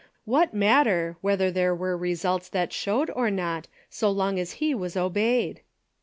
What matter whether there were results that showed or not so long as he was obeyed